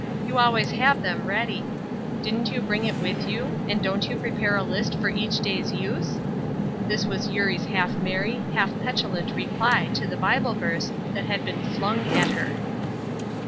You always have them ready. Didn't you bring it with you, and don't you prepare a list for each day's use?" This was Eurie's half merry, half petulant reply to the Bible verse that had been "flung" at her.